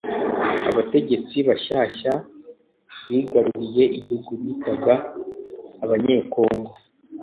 abategetsi bashyashya bigaruriye igihugu bitaga "abanyekongo"